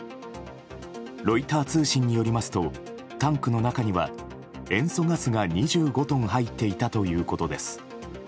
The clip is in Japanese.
ロイター通信によりますとタンクの中には塩素ガスが２５トン入っていたということです。